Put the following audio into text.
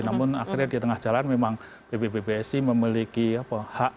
namun akhirnya di tengah jalan memang pbbsi memiliki hak